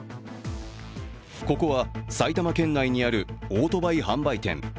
ここは埼玉県内にあるオートバイ販売店。